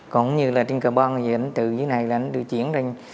cũng như là trên cờ bơn từ dưới này là anh đưa chuyển lên